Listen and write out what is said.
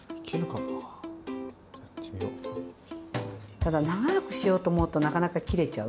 ただ長くしようと思うとなかなか切れちゃう。